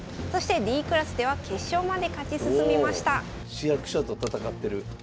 市役所と戦ってる。